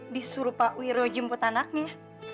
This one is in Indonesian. disuruh pak wiro jemput anaknya